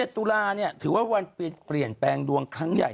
ตุลาถือว่าวันเปลี่ยนแปลงดวงครั้งใหญ่